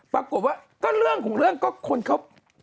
ปรากฏว่าก็เรื่องของเรื่องก็คนเขา